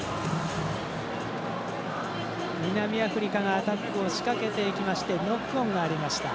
南アフリカがアタックを仕掛けていきましてノックオンがありました。